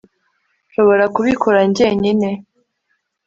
nshobora kubikora njyenyine